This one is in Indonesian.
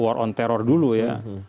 war on terror dulu ya